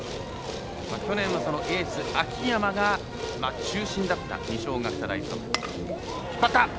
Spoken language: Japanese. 去年は、そのエース秋山が中心だった二松学舎大付属。